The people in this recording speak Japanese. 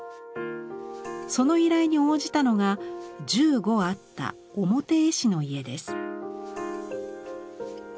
その依頼に応じたのが１５あった「表絵師」の家です。